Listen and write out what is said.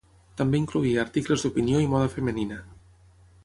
També incloïa articles d'opinió i moda femenina.